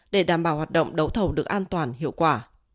để đảm bảo hoạt động đấu thầu được an toàn hiệu quả